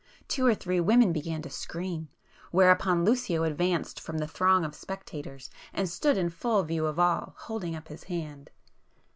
Two or three women began to scream,—whereupon Lucio advanced from the throng of spectators and stood in full view of all, holding up his hand.